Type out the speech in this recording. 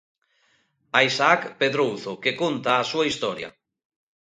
A Isaac Pedrouzo, que conta a súa historia.